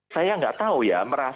saya nggak tahu ya